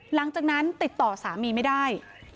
หลังจากนั้นติดต่อสามีไม่ได้